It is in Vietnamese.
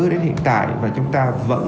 đến hiện tại và chúng ta vẫn